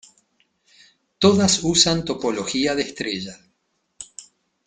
Todas usan topología de estrella.